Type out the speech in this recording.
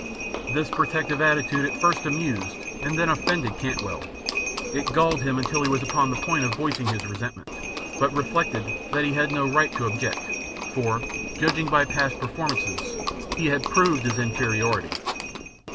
This protective attitude at first amused, then offended Cantwell, it galled him until he was upon the point of voicing his resentment, but reflected that he had no right to object, for, judging by past performances, he had proved his inferiority.